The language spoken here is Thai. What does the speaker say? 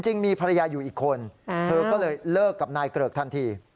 จริงมีภรรยาอยู่อีกคนเธอก็เลยเลิกกับนายเกริกทันที